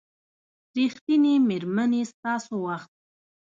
ریښتینې میرمنې ستاسو وخت